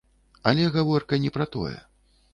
Але гаворка не пра тое.